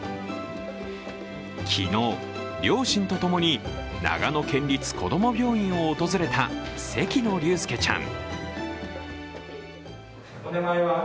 昨日、両親とともに長野県立こども病院を訪れた関野竜佑ちゃん。